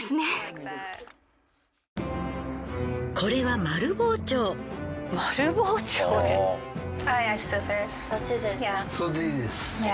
これはそれでいいです。